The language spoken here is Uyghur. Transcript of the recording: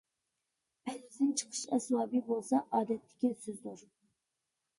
«پەللىدىن چىقىش ئەسۋابى» بولسا ئادەتتىكى سۆزدۇر.